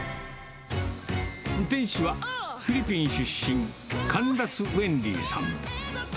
店主はフィリピン出身、カンラス・ウェンディさん。